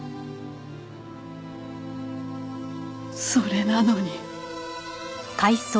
それなのに。